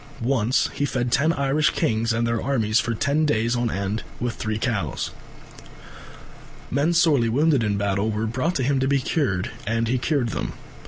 Once he fed ten Irish kings and their armies for ten days on end with three cows. Men sorely wounded in battle were brought to him to be cured, and he cured them.